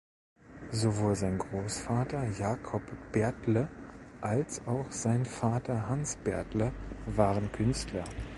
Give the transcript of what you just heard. Sowohl sein Großvater Jakob Bertle als auch sein Vater Hans Bertle waren Künstler.